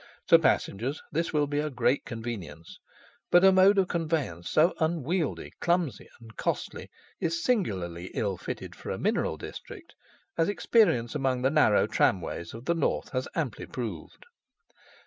To passengers this will be a great convenience, but a mode of conveyance so unwieldy, clumsy, and costly, is singularly ill fitted for a mineral district, as experience among the narrow tram ways of the north has amply proved.